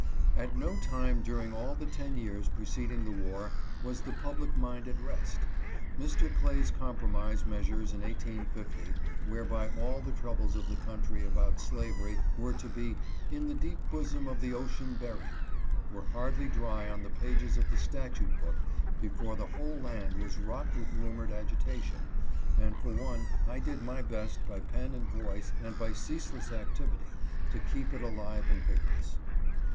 At no time during all the ten years preceding the war was the public mind at rest. Mr. Clay's compromise measures in 1850, whereby all the troubles of the country 362 ELECTION OF 1856. about slavery were to be " in the deep bosom of the ocean buried," were hardly dry on the pages of the statute book before the whole land was rocked with rumored agitation, and for one I did my best by pen and voice and by cease less activity to keep it alive and vigorous.